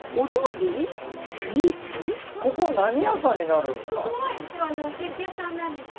ここ何屋さんになるんすか？